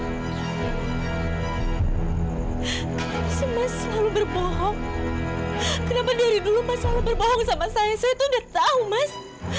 kenapa sih mas selalu berbohong kenapa dari dulu mas selalu berbohong sama saya saya tuh udah tahu mas